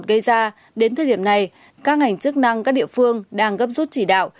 gây ra đến thời điểm này các ngành chức năng các địa phương đang gấp rút chỉ đạo